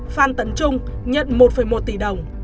phan tấn trung nhận một một tỷ đồng